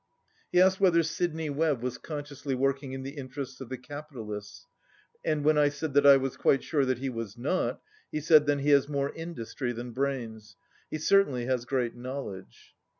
117 He asked whether Sidney Webb was consciously working in the interests of the capitalists, and when I said I was quite sure that he was not, he said, "Then he has more industry than brains. He certainly has great knowledge."